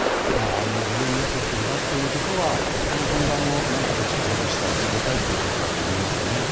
事前予告を出すということはこの混乱を何とか小さくしたい避けたいということだと思います。